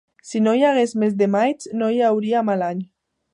Si no hi hagués mes de maig, no hi hauria mal any.